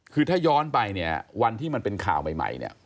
คือถ้าย้อนไปวันที่มันเป็นข่าวใหม่